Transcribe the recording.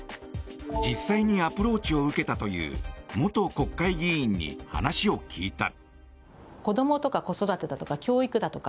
実際にアプローチを受けたという元国会議員に話を聞いた。